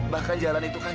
bahkan jalan itu kan